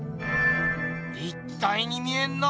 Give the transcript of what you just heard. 立体に見えんな。